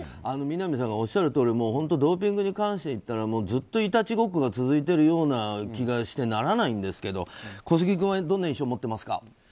南さんがおっしゃるとおりドーピングに関して言ったらずっといたちごっこが続いているような気がしてならないんですけど小杉君はどんな印象を持ってますか？